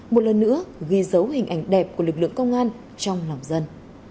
một lần nữa ghi dấu hình ảnh đẹp của lực lượng công an trong lòng dân